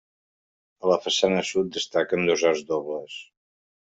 A la façana sud destaquen dos arcs dobles.